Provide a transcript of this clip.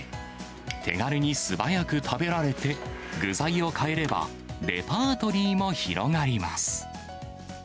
手軽に素早く食べられて、具材を変えれば、レパートリーも広がります。